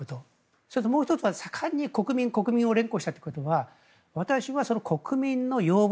そしてもう１つは盛んに国民、国民と連呼したということは私は国民の要望